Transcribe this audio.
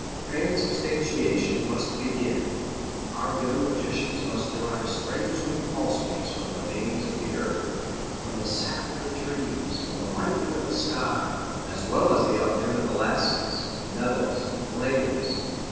Transubstantiation must begin. Our young magicians must derive strange new pulse beats from the veins of the earth, from the sap of the trees, from the lightning of the sky, as well as the alchemical acids, metals, and flames.